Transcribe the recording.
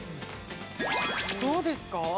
どうですか。